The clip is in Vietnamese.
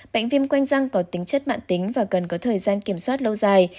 bệnh viêm quanh răng có tính chất mạng tính và cần có thời gian kiểm soát lâu dài